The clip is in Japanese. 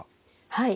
はい。